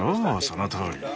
そのとおり。